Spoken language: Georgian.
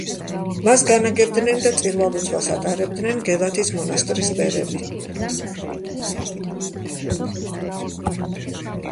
მას განაგებდნენ და წირვა-ლოცვას ატარებდნენ გელათის მონასტრის ბერები.